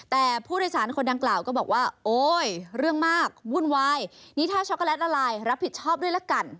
แต่ผู้โดยสารคนดังกล่าวก็บอกว่าโอ๊ยเรื่องมากวุ่นวายนี่ถ้าช็อกโกแลตละลายรับผิดชอบด้วยละกัน